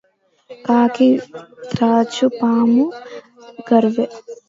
కాకి త్రాచుపాము గర్వ మడచె